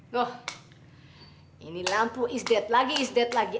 loh ini lampu is dead lagi is dead lagi